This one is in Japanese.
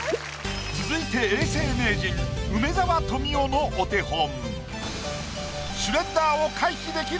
続いて永世名人梅沢富美男のお手本。